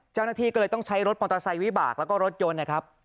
เจ้าหน้าที่ก็เลยต้องใช้รถมอเตอร์ไซค์วิบากแล้วก็รถยนต์นะครับ